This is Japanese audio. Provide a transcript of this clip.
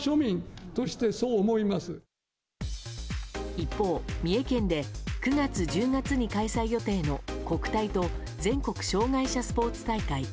一方、三重県で９月、１０月に開催予定の国体と全国障害者スポーツ大会。